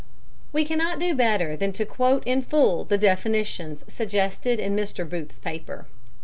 We cannot do better than quote in full the definitions suggested in Mr. Booth's paper.